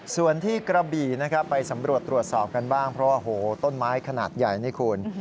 ส่วนที่กระบี่นะครับไปสำรวจตรวจสอบกันบ้างเพราะว่าโหต้นไม้ขนาดใหญ่นี่คุณ